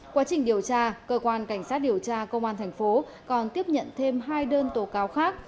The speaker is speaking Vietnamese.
quá trình điều tra cơ quan cảnh sát điều tra công an thành phố còn tiếp nhận thêm hai đơn tố cáo khác